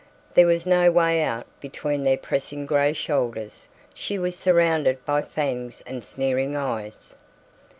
There was no way out between their pressing gray shoulders. She was surrounded by fangs and sneering eyes.